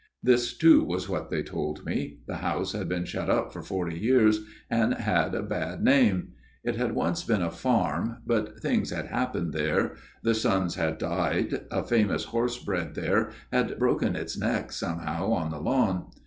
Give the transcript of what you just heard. This, too, was what they told me. The house had been shut up for forty years, and had a bad name. 156 A MIRROR OF SHALOTT It had once been a farm ; but things had happened there : the sons had died ; a famous horse bred there had broken its neck somehow on the lawn.